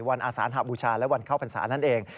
วันอาสานหับบูชาและวันเข้าพันศานั่นเอง